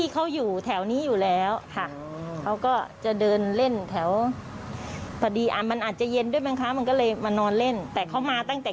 ก็คือจะมาให้เห็นตลอดนะฮะ